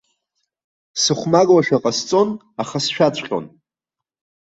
Сыхәмаруашәа ҟасҵон, аха сшәаҵәҟьон.